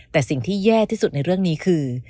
แต่สิ่งที่แย่ที่สุดในเรื่องนี้คือ